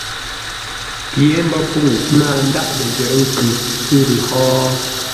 Pye mbəfuŋ náa ndǎghʼ ləjərə́ nkʉ, ə́ ngʉ̌ hó?